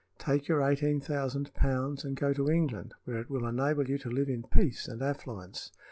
Take your eighteen thousand pounds and go to England, where it will enable you to live in peace and affluence."